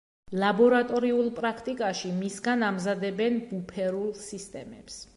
ლაბორატორიულ პრაქტიკაში მისგან ამზადებენ ბუფერულ სისტემებს.